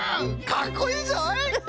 かっこいいぞい！